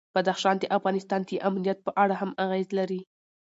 بدخشان د افغانستان د امنیت په اړه هم اغېز لري.